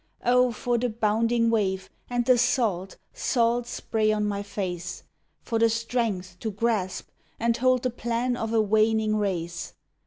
O for the bounding wave, and the salt, salt spray on my face! For the strength to grasp and hold the plan of a waning race.